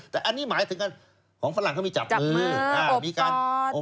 แต่อันนี้หมายถึงว่าของฝรั่งเขามีจับมือจับมืออบกอด